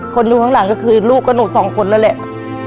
คนดูข้างหลังก็คือลูกกับหนูสองคนแล้วแหละ